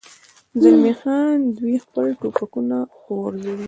زلمی خان: دوی خپل ټوپکونه غورځوي.